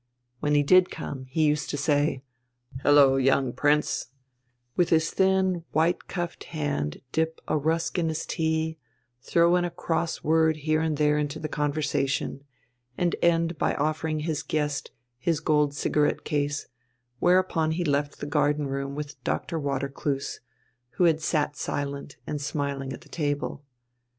When he did come, he used to say: "Hullo, young Prince," with his thin, white cuffed hand dip a rusk in his tea, throw in a cross word here and there into the conversation, and end by offering his guest his gold cigarette case, whereupon he left the garden room with Dr. Watercloose, who had sat silent and smiling at the table.